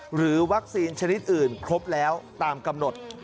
หรือวัคซีนชนิดอื่นครบแล้วตามกำหนด